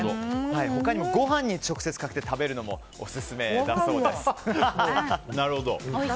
他にも、ご飯に直接かけて食べるのもオススメだそうです。